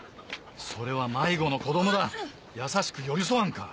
それは迷子の子供だ優しく寄り添わんか！